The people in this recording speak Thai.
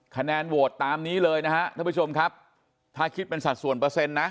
คะแนนโหวตตามนี้เลยนะฮะท่านผู้ชมครับถ้าคิดเป็นสัดส่วนเปอร์เซ็นต์นะ